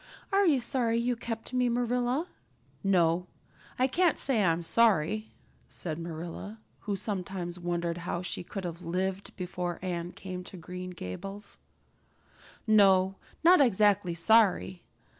Are you sorry you kept me, Marilla?" "No, I can't say I'm sorry," said Marilla, who sometimes wondered how she could have lived before Anne came to Green Gables, "no, not exactly sorry.